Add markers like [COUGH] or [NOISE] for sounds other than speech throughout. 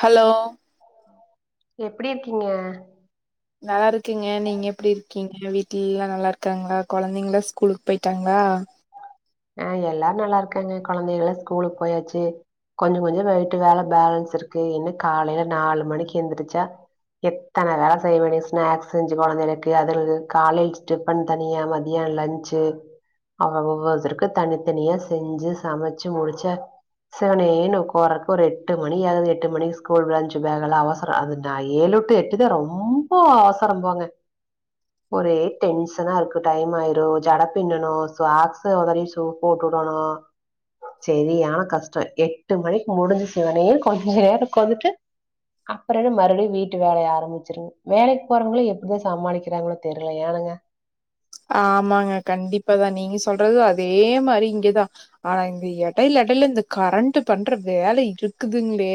hello எப்டி இருக்கீங்க நல்லாருக்கங்க நீங்க எப்டி இருக்கீங்க வீட்டுலல்லா நல்லா இருக்காங்ளா கொழந்தைங்களா ஸ்கூலுக்கு போய்ட்டாங்ளா ஆ எல்லாரு நல்லாருக்காங்க கொழந்தயெலா ஸ்கூலுக்கு போயாச்சு கொஞ்சோ கொஞ்சோ நைட்டு வேல பேலன்ஸ் இருக்கு இன்னு காலைல நாலு மணிக்கு எந்திருச்சா எத்தன வேல செய்ய வேண்டி ஸ்நாக்ஸ் செஞ்சு கொழந்தகளுக்கு அது இது காலெஜ் டிரிப் ப்பன் தனியா மதியானோ லன்ச்சு அவ ஒவ்வொருத்ருக்கு தனித்தனியா செஞ்சு சமச்சு முடிச்ச சவனேன்னு உக்காரக்கு ஒரு எட்டு மணி ஆகுது எட்டு மணிக்கு ஸ்கூல் லன்ச்சு பேகெல அவச அது நா ஏழு டூ எட்டு தா ரொம்ப அவசரோ போங்க ஒரே டென்ஷனா இருக்கு டைம் ஆயிரும் ஜடை பின்னனு சாகஸ் ஒதரி ஓ போட்டு வுட்டானா செரியான கஷ்டோ எட்டு மணிக்கு முடிஞ்சு சிவனேன் கொஞ்சோ நேரோ உக்காந்துட்டு அப்றோனு மறுபடியும் வீட்டு வேலைய ஆரம்பிச்சிருவ வேலைக்கு போறவங்கலே எப்டிதா சமாளிக்கிறாங்ளோ தெரியல ஏனுங்க ஆமாங்க கண்டிப்பாதா நீங்க சொல்றது அதே மாரி இங்க தா ஆனா இந்த எடைல எடைல இந்த கரண்ட் பண்ற வேலை இருக்குதுங்ளே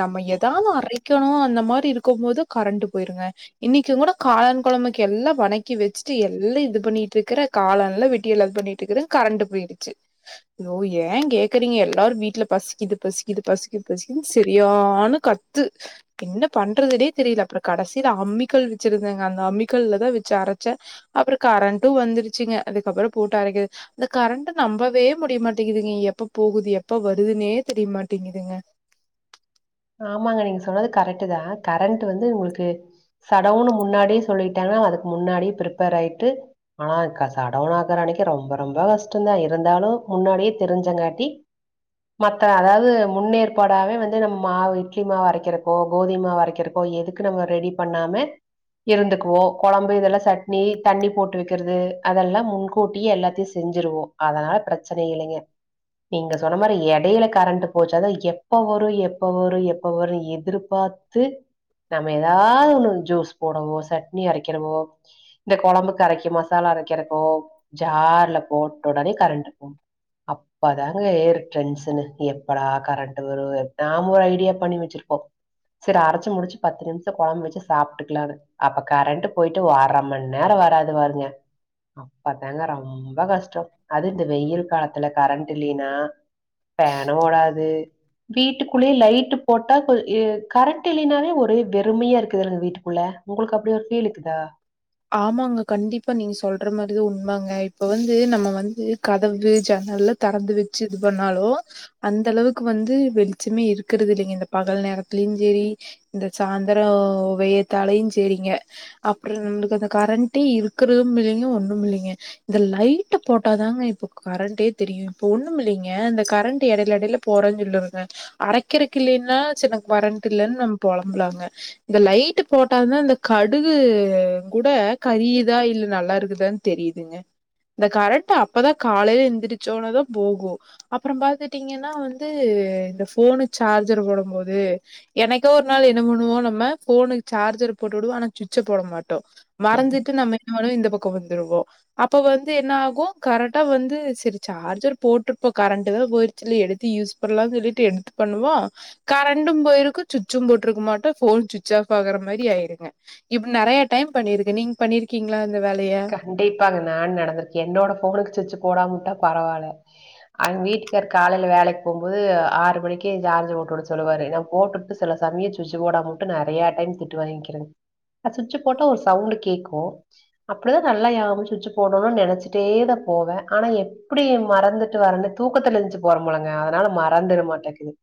நம்ம ஏதாவது அரைக்கணு அந்த மாரி இருக்குபோது கரண்ட்டு போயிருங்க இன்னைக்கு கூட காளான் குழம்புக்கு எல்லா வணக்கி வச்சு சி எல்லா இது பண்ணிட்டு இருக்கற காளான்லா வெட்டி எல்லா இது பண்ணிட்டு இருக்கற கரண்டு போயிடுச்சு சோ ஏன் கேக்குறீங்க எல்லாரு வீட்டுல பசிக்குது பசிக்குது பசிக்குது பசிக்குன்னு செ ரியான்ன கத்து என்ன பண்றதுனே தெரியல அப்றோ கடைசில அம்மிக்கல் வச்சிருந்தங்க அந்த அம்மிக்கல்லதா வச்சு அரைச்ச அப்ரோ கரண்ட்டு வந்துருச்சுங்க அதுக்கப்ரோ போட்டு அரைக்கது அந்த கரண்ட்ட் நம்பவே முடியமாட்டேங்குதுங்க எப்ப போகுது எப்ப வருதுனே தெரியமாட்டேங்குதுங்க ஆமாங்க நீங்க சொன்னது கரெக்டு தா கரண்ட் வந்து உங்களுக்கு சடோவுன்னு முன்னாடியே சொல்லிட்டாங்கன்னா அதுக்கு முன்னாடியே ப்ரிப்பேர் ஆயிட்டு ஆனாக்கா சடவுன் காகற அன்னைக்கு ரொம்ப ரொம்ப கஷ்டதா இருந்தாலு முன்னாடியே தெரிஞ்சங்காட்டி மத்த அதாவது முன்னேற்பாடாவே வந்து நம் மாவு இட்லி மா வரைக்கிறக்கோ கோதிமாவு வரைக்கிறக்கோ எதுக்கு நம்ம ரெடி பண்ணாம இருந்துக்குவோ குழம்பு இதெல்லா சட்னி தண்ணி போட்டு வைக்கிறது அதெல்லா முன்கூட்டியே எல்லாத்தையு செஞ்சுருவோ அதனால பிரச்சன இல்லங்க நீங்க சொன்ன மாறி எடேல கரண்ட் போச்சாதா எப்ப வரு எப் போ வரு எப்போ வரு எதிர்பாத்து நம்ம ஏதாவது ஓன்னு ஜூஸ் போடவோ சட்னி அரைக்கிறவோ இந்த குழம்புக்கு கரைக்கிம் மசாலா அரைக்கிறக்கு ஜார்ல போட்ட உடனே கரண்டக்கும் அப்பதாங்க ஏரு டென்ஷனு எப்படா கரண்ட் வரு எப் நாம ஒரு ஐடியா பண்ணி வச்சிருப்போ சேரி அரைச்சி முடிச்சு பத்து நிமிஷோ குழம்பு வச்சக சாப்டுக்கிலான்னு அப்ப கரண்ட் போயிட்டு வா அரை மணி நேரோ வராது பாருங்க அப்பதாங்க ரொம்ப கஷ்டோ அது இந்த வெயில் காலத்ல கரண்ட் இல்லேன்னா பேனு ஓடாது குள்ளயே லைட் போட்டாகுள் ஏ கரண்ட் இல்லைனாவே ஒரு வெறுமையா இருக்குரன் வீட்டுக்குள்ள உங்களுக்கு அப்டி ஒரு ஃபீல் இருக்குதா ஆமாங்க கண்டிப்பா நீங்க சொல்ற மாரிதா உண்மங்க இப்ப வந்து நம்ம வந்து கதவு ஜன்னல்ல தறந்து வச்சி இது பண்ணாலோ அந்த அளவுக்கு வந்து வெளிச்சமே இருக்கிறது இல்லங்க இந்த பகல் நேரத்துலயு சேரி இந்த சாயந்தரோ வெயத்தாலையு சரிங்க அப்புறந்து கரண்ட் இருக்கது மில்லையு ஒன்னு மில்லங்க இந்த லைட்ட போட்டாதாங்க இப்ப கரண்டே தெரியு இப்ப ஒன்னு மில்லங்க இந்த கரண்ட் எடையில எடையிலப் போறன் சொல்லிருங்க அரைக்கறக்கு இல்லலன்னா சேரி கரண்ட் இல்ன்னு நம்ம புலம்புலாங்க இந்த லைட் போட்டாந்தா இந்த கடுகு கூட கரியுதா இல்ல நல்லா இருக்குதா தெரியுதுங்க இந்த கரெக்ட் அப்பதா காலேல எந்திரிச்சோனதா போகோ அப்புற பாத்துட்டீங்கன்னா வந்து இந்த போனு சார்ஜர் போடும் போது எனைக்கோ ஒரு நாள் என்ன பண்ணுவோ நம்ம போனுக்கு சார்ஜர் போட்டு வுடுவோ ஆனா சுவிட்ச் போட மாட்டோ மறந்துட்டு நம்ம என்னவாறு இந்த பக்கம் வந்துருவோ அப்ப வந்து என்ன ஆகு கரட்டா வந்து சேரி சார்ஜர் போட்டுருப்போ கரண்ட் தா போயி ச்சி எடுத்து யூஸ் பண்ணலாம்னு சொல்லிட்டு எடுத்து பண்ணுவோ கரண்டும் போயிருக்கு சுவிட்சும் போட்டிருக்க மாட்டோ போன் சுவிட்ச் ஆஃப் ஆகுற மாரி ஆயிருங்க இப்டி நறைய டைம் பண்ணிருக்க நீங்க பண்ணிருக்கீங்களா இந்த வேலய கண்டிப்பாங்க நா நடந்திருக்க என்னோட போனுக்கு சுச்சு போடாமுட்டா பரவாயில்ல அங்க வீட்டுக்காரு காலேல வேலைக்கு போபோது ஆறு மணிக்கே ஜார்ஜ் போட்டுட சொல்லுவாரு நா போட்டு சில சமய சுச்சி போடாமவுட்டு நெறைய டைம் திட்டு வாங்கிக்கிற அ சுச்சு போட்டா ஒரு சவுண்ட் கேக்கு அப்டிதா நல்லா யாவு சுச்சி போடணும்னு நனச்சிட்டே தா போவ ஆனா எப்டி மறந்துட்டு வரேன்னு தூக்கத்துல ஏஞ்சு போறம்பொழுலுங்க அதனால மறந்துட மாட்டேக்குது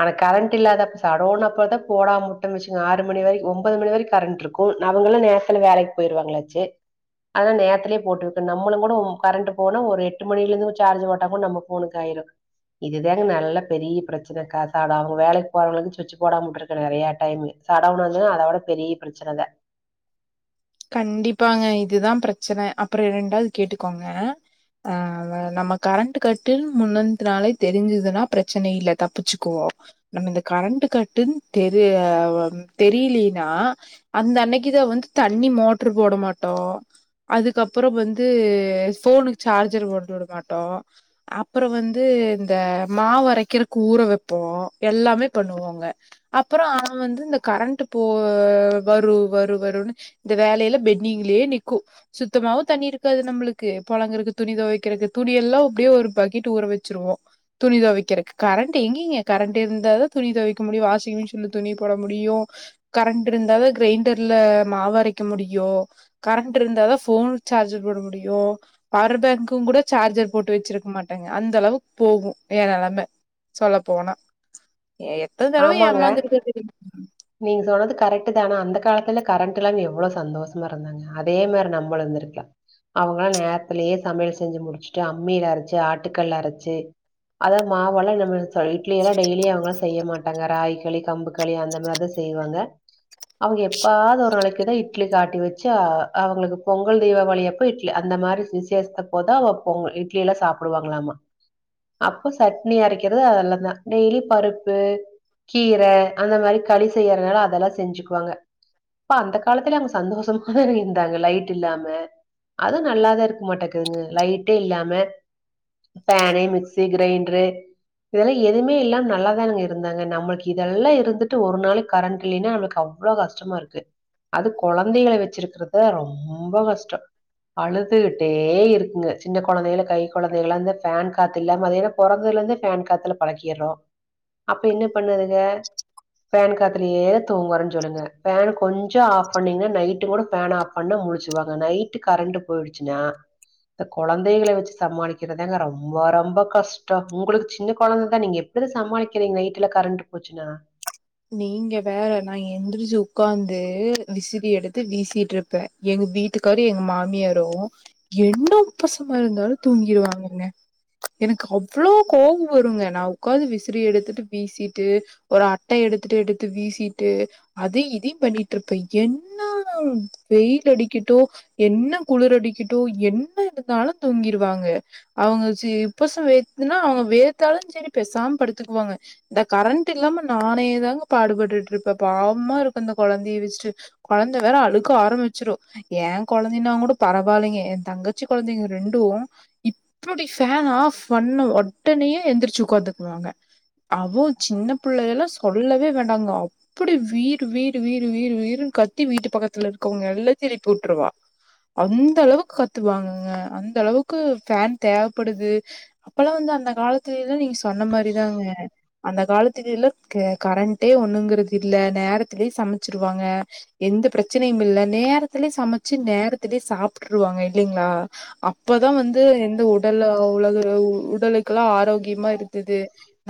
ஆனா கரண்ட் இல்லாத அப்ப சடோன அப்பதா போடாம முட்டு வச்சுங்க ஆறு மணி வரைக்கு ஒன்போது மணி வரை கரண்ட் இருக் கும் அங்களு நேரத்ல வேலைக்கு போயிருவாங்களாச்சே அதா நேத்துலே போட்டுவுட்டன் நம்மளுங் குடும் கரண்ட்டு போனா ஒரு எட்டு மணிலுந்து ச்சார்ஜ்ஜு போட்டா கூட் நம்ம ஃபோனுக்கு ஆய்ரோ இதிதேங்க நல்ல பெரிய் ப்ரச்சன காசாட அவ்ங்க வேலைக் போறவங்களுக்கு ச்சுச்சு போடாமுட்ருக்கரே நறையா டைமு சடவ்னது அதவிட பெரிய ப்ரச்சனதே கண்டிப்பாங்க இதுதா ப்ரச்சன அப்ற ரெண்டாவ்து கேட்டுக்கோங்க ஆ வ நம்ம கரண்ட் கட்டுன் முன்னன்த்துனாலே தெரிஞ்சுதுனா ப்ரச்சனை இல்ல தப்பிச்சுக்குவோ நம்ம இந்த கரண்ட்டு கட்டுன் தெரேயாவம் தெரிலீனா அந்த அன்னைக்குதா வந்த் தண்ணி மோட்ரு போட மாட்டோ அதுக்கப்றோ வந்து ஃபோனுக் ச்சார்ஜர் போட்டு வுட மாட்டோ அப்ற வந்து இந்த மாவ்வரைக்கிற கூற வெப்போ எல்லாமே பண்ணுவோங்க அப்பறோ அவன் வந்து இந்த கரண்ட்டு போ வரு வரு வருன்னு இந்த வேலைய்ல பெட்னிகிள்யே நிக்கு சுத்தமாவு தண்ணி இருக்காது நம்முளுக்கு புழங்கறக்கு துணி துவைக்கறக்கு துணி எல்லா ஒப்டியே ஒரு பக்கெட் ஊற வச்சிருவோ துணி துவைக்கிறக்கு கரண்ட்டு எங்கிங்க கரண்ட் இர்ந்தாதா துணி துவைக்க முடியு வாஷி மிஷின்ல துணி போட முடியு கரண்ட்ருந்தாவே க்ரைண்டர்ல மாவு அரைக்க முடியு கரண்ட் இருந்தாதா ஃபோன் ச்சார்ஜ்ஜர் போட முடியு பவர் பேங்க்குன் கூட சார்ஜர் போட்டு வச்சிருக் மாட்டாங்க அந்த அளவுக் போகு ஏ நெலம சொல்ல போனா எ எத்தன் தடவ ஏமாந்து [INAUDIBLE] நீங் சொன்னது கரட்டுதா ஆனா அந்த காலத்துல கரண்ட் இல்லாம் எவ்ளோ சந்தோசமா இருந்தாங்க அதே மாரி நம்மளுந்திருக்லா அவங்களா நேத்துலியே சமையல் செஞ்சு முடிச்சுட்டு அம்மில அரச்சு ஆட்டுக்கல்ல அரச்சு அதா மாவல்லா நம்மல்த் சல் இட்லியல்லா டெய்லி அவங்களா செய்ய மாட்டாங்க ராய்களி கம்புக்களி அந்த மார்தா செய்வாங்க அவங்க எப்பாது ஒர் நாளைக்கிதா இப் இட்லிக் ஆட்டி வெச்சா அவங்களுக்கு பொங்கல் தீபாவளியப்ப இட்லி அந்த மாரி விசேஸ்த்தப் போதா வப்போங்கு இட்லி எல்லா சாப்டுவாங்ளாமா அப்பு ஸட்னி அரைக்கிற்த நல்லத் தா டெய்லி பருப்பு கீர அந்த மாரி களி செய்யறனால அதெல்லா செஞ்சுக்குவாங்க ப்ப அந்த காலத்துல அவ்ங்கு சந்தோசம் ஹஹாஹ இருந்தாங்க லைட் இல்லாம அது நல்லாதா இருக்கு மாட்டேக்குங்க லைட்டே இல்லாம ஃபேனு மிக்ஸி க்ரைண்ட்ரு இதெல்லா எதுமே இல்லாம் நல்லாதாங்க இருந்தாங்க நம்ளுக் இதெல்லா இருந்து ட்டு ஒரு நாளைக் கரண்ட் இல்லேனா நம்ளுக் அவ்ளோ கஷ்டமா இருக்கு அது கொழந்தைகள வெச்சிருக்றுது ரொம்ப கஷ்டோ அழுதுட்டே இருக்குங்க சின்ன கொழந்தைல கை கொழந்தைகள அந்த ஃபேன் காத் இல்லாம மதியானம் பொறந்துதுலருந்தே ஃபேன் காத்துல பழக்கீர்றோ அப்ப என்ன பண்ணுதுக ஃபேன் காத்துலியே தூங்குவாறுன் ஜொல்லுங்க ஃபேன கொஞ்சு ஆஃப் பண்ணீங்னா நைட்டு கூட ஃபேன் ஆப் கண்ண முழிச்சுவாங்க நைட்டு கரண்ட் போய்டுச்சுன்னா த கொழந்தைகள வெச்சு சமாளிக்கிறதாங்க ரொம்பா ரொம்ப கஷ்ட உங்ளுக்கு சின்ன கொழந்த நீங் எப் பிதா சமாளிக்கிறீங் நைட்ல கரண்ட்டு போச்சுன்னா நீங்க வேற நா எந்திரிச்சு உக்காந்து விசிரி எடுத்து வீசிட்ருப்பே எங்க வீட்டுக்காரு எங்க மாமியாரு என்ன பசமா இருந்தாலு தூங்கிருவாங்கங்க எனக்கு அவ்ளோ கோவோ வருங்க நா உ்க்காந்து விசிறி எடுத்துட்டு வீசிட்டு ஒரு ஆட் ட எடுத்துட்டு எடுத்து வீசிட்டு அதைய் இதிய் பண்ணிட்ருப்பே என்னானவ் வெயில் அடிக்கட்டு என்ன குளுரடிக்கிட்டு என்ன இதுந்தாலு தூங்கிருவாங்க அவ்ங்க ச்சி உப்பசு வேக்துன்னா அவ்ங்க வேத்தாலு ச்சேரி பெசாம் படுத்துக்குவாங்க இந்த கரண்ட்டில்லாம நானே தாங்க பாடுபட்டுட்ருப்பே பாவமாருக்கு இந்த கொழந்தய வச்ட்டு கொழந்த வேற அழுக ஆரம்மிச்சிரு எ கொழந்தேனா கூட பரவாலேங்க எ தங்கச்சி கொழந்தைங்க ரெண்டு இப்புடி ஃபேன் ஆஃப் ஃபண்ண ஒடனயே எந்திரிச்சு உக்காந்துக்குவாங்க அவோ சின்ன புள்ளயெல்லா சொல்லவே வேண்டாங்கோ அ ப்டி வீரு வீரு வீரு வீரு வீருன் கத்தி வீட்டு பக்கத்துல இருக்கோங்க எல்லாத்தையு எழுப்பியுட்ருவா அந்தளவுக் கத்துவாங்கங்க அந்தளவுக்கு ஃபேன் தேவப்படுது அப்பலா வந்து அந்த காலத்துலைல்லா நீங்க சொன்ன மாரிதாங்க அந்த கால த்துக்குல்ல க கரண்டே ஒண்ணுங்கறக்கு இல்ல நேரத்லயே சமச்சிருவாங்க எந்த பிரச்சனயும்மில்ல நேரத்திலயே சமச்சு நேரத்திலயே சாப்ட்ருவாங்க இல்லைங்ளா அப்பதா வந்து எந்த உடல்ல உலகு உடலுக்கல்லா ஆரோக்கியமா இருந்தது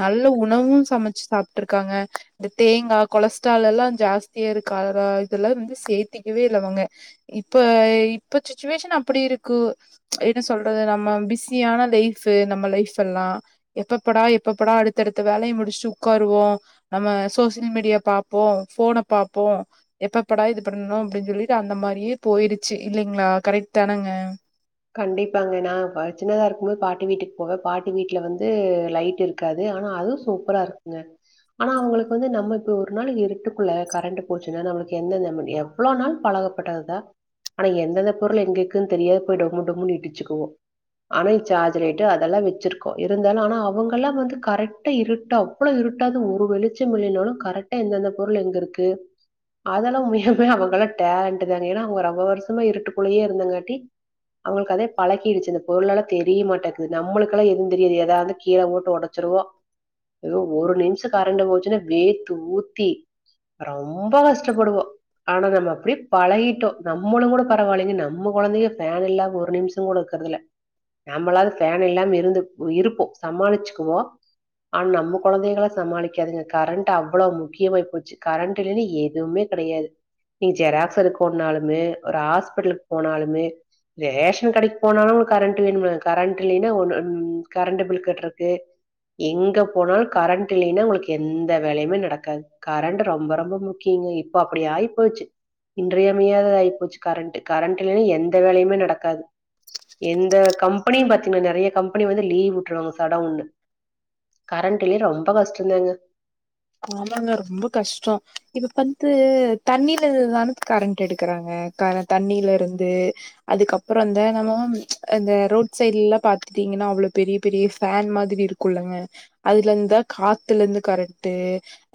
நல்ல உணவும் சமச்சு சாப்ட்ருக்காங்க இந்த தேங்கா கொலஸ்ட்ரால்லல்லா ஜாஸ்தியாருக்காற இதெல்லா வந்து சேத்திக்கவே இல்ல அவங்க இப்ப இப்ப சிச்சுவேஷன் அப்டி இருக்கு என்ன சொல்றது நம்ம பிஸியான லைஃபு நம்ம லைஃபெல்லா எப்பப்படா எப்பப்படா அடுத்தடுத்த வேலய முடிச்சு உக்காருவோ நம்ம சோசியல் மீடியா பாப்போ ஃபோன பாப்போ எப்பப்படா இது பண்ணணு அப்டின் சொல்லிட்டு அந்த மாரியே போய்ருச்சு இல்லைங்ளா கரெக்ட் தானங்க கண்டிப்பாங்க நா பா சின்னதா இருக்கும்போது பாட்டி வீட்டுக் போவே பாட்டி வீட்ல வந்து லைட் இரு க்காது ஆனா அதுவு சூப்பராக்குங்க ஆனா அவுங்களுக்கு வந்து நம்ம இப்ப ஒரு நாளு இருட்டுக்குள்ள கரண்ட்டு போச்சுன்னா நம்ளுக்கு என்னங்க முடியு இவ்ளோ நாள் பழகப்பட்டது தா ஆனா எந்தெந்த பொருள் எங்கெக்குன் தெரியா போய் டொம்மு டொம்முன் இடுச்சுக்குவோ ஆனா சார்ஜுலைட்டு அதல்லா வெச்சிருக்கோ இருந்தாலு ஆனா அவங்கல்லா வந்து கரெக்ட் அப்டே இருட்டா அவ்ளோ இருட்டாது ஒரு வெளிச்சமில்லினாலு கரெக்டா எந்தெந்த பொருள் எங்கெருக்கு அதெல்லா உண்மயாமே அவங்கல்லா டேலண்ட்டு தாங்க ஏனா அவங்க ரொம்ப வர்ஷமா இருட்டுக்குள்ளயே இருந்தங்காட்டி அவுங்களுக் அதே பழகிருச்சு இந்த பொருள் எல்லா தெரியமாட்டேக்கு நம்ளுக்கல்லா எதுவு தெரியாது எதாவ்து கீழ போட்டு ஒடச்சிருவோ அய்யோ ஒரு நிம்ஷோ கரண்ட் போச்சுனா வேர்த்து ஊத்தி ரொம்ப கஷ்டப்படுவோ ஆனா நம்ம அப்டி பழகிட்டோ நம்மளுங் கூட பரவால்லங்க நம்ம கொழந்தைங்க ஃபேன் இல்லாம ஒரு நிம்ஷோ கூட இக்கறதுல்ல நம்மளாது ஃபேன் இல்லாம இருந்து இருப்போ சமாளிச்சுக்குவோ ஆன் நம்ம கொழந்தைகளா சமாளிக்காதுங்க கரண்ட் அவ்ளோ முக்கியமாயி போச்சு கரண்ட் இல்லனா எதுமே கெடயாது நீ ஜெராக்ஸ் எடுக்கோன்னாலுமே ஒரு ஆஸ்பட்லுக்கு போனாலுமே ரேஷன் கடைக்கு போனாலு உங்ளுக் கரண்ட் வேணுல கரண்ட் இல்லைன்னா ஒன்னு கரண்ட்டு பில் கட்றக்கு எங்க போனாலு கரண்ட் இல்லைனா உங்ளுக்கு எந்த வேலையுமே நடக்காது கரண்ட்டு ரொம்ப ரொம்ப முக்கியங்க இப்போ அப்டி ஆயி போச்சு இன்றியமையாத தா ஆயி போச்சு கரண்ட்டு கரண்ட்டில்லைன்னா எந்த வேலயுமே நடக்காது எந்த கம்பெனியு பாத்தீங்னா நறைய கம்பெனி வந்து லீவ் வுட்ருவாங்க சடோவ்னு கரண்ட் இல்லே ரொம்ப கஷ்டோதாங்க ஆமாங்க ரொம்ப கஷ்டோ இப்ப பன்த்து தண்ணிலலந்துதான கரண்ட் எடுக்குறாங்க தான தண்ணிலருந்து அதுக்கப்றோ தெனமும் இந்த ரோட் சைட்லலா பாத்துகிட்டீங்கன்னா அவ்ளோ பெரிய பெரிய ஃபேன் மாதிரி இரு குல்லங்க அதுலந்தா காத்துலந்து கரண் ட்டு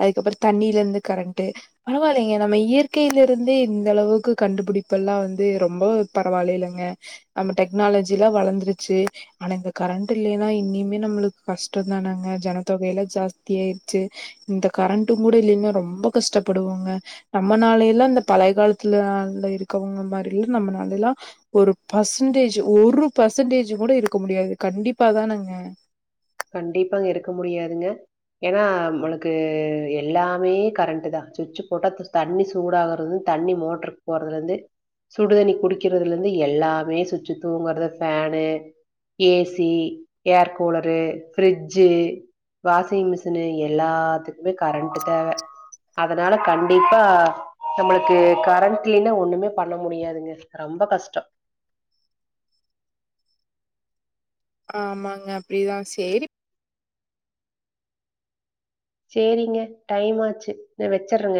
அதுக்கப்றோ தண்ணிலந்து கரண்ட்டு பரவால்லேங்க நம்ம இயற்கைலருந்தே இந்த அளவுக்கு கண்டுபிடிப்பெல்லா வந்து ரொம்ப பரவால்லேலங்க நம்ம டெக்னாலஜிலா வளர்ந்துருச்சு ஆனா இந்த கரண்ட் இல்லேனா இனிமே நம்ளுக்கு கஷ்டம் தானங்க ஜனத்தொகையெல்ல ஜாஸ்தியா சே இந்த கரண்ட்டு கூட இல்லனா ரொம்ப கஷ்டபடுவோங்க நம்ம நாலைலா இந்த பழைய காலத்துல அதுல இருக்கவங்க மாறில நம்ம நாலெல்லா ஒரு பர்சன்டேஜ் ஒரு பர்சன்டேஜ் கூட இருக்க முடியாது கண்டிப்பாதானாங்க கண்டிப்பா அங் இருக்க முடியாதுங்க ஏனா நம்மளுக்கு எல்லாமே கரண்ட்டு தா சுச்சு போட்டா தண்ணி சூடாவருது தண்ணி மோட்டர் போட்றதுலருந்து சுடுதண்ணி குடிக்கிறதுலருந்து எல்லாமே சுச்சு தூங்குறது fan AC air cooler fridge washing machine எல்லாத்துக்குமே கரண்ட் தேவ அதனால கண்டிப்பா நம்மளுக்கு கரண்ட் இல்ன ஒண்ணுமே பண்ண முடியாதுங்க ரொம்ப கஷ்டொ ஆமாங்க அப்டிதா சேரி சேரிங்க டைம் ஆச்சு ந வச்சிற்றங்க